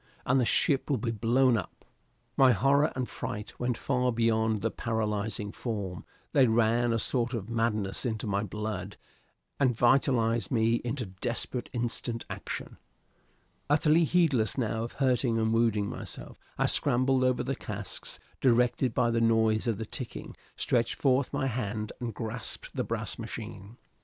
and the ship will be blown up! My horror and fright went far beyond the paralyzing form; they ran a sort of madness into my blood and vitalized me into desperate instant action. Utterly heedless now of hurting and wounding myself, I scrambled over the casks, directed by the noise of the ticking, stretched forth my hand and grasped the brass machine.